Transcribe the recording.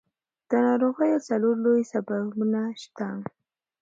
د ناروغیو څلور لوی سببونه شته.